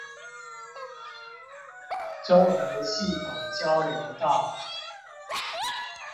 中橫系統交流道